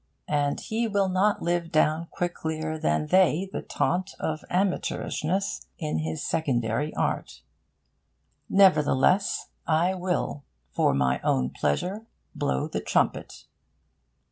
And he will not live down quicklier than they the taunt of amateurishness in his secondary art. Nevertheless, I will, for my own pleasure, blow the trumpet.